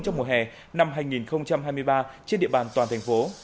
trong mùa hè năm hai nghìn hai mươi ba trên địa bàn toàn thành phố